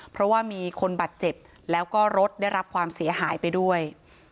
เพราะว่ามีคนบาดเจ็บแล้วก็รถได้รับความเสียหายไปด้วย